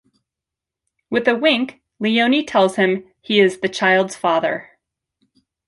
With a wink, Leonie tells him he is the child's father.